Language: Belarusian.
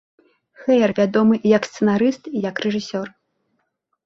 Хэйр, вядомы і як сцэнарыст, і як рэжысёр.